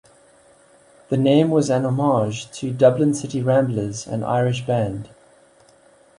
The name was an homage to Dublin City Ramblers, an Irish band.